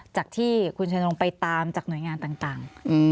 จากที่คุณชะนงไปตามจากหน่วยงานต่าง